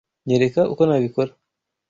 Nyereka uko nabikora.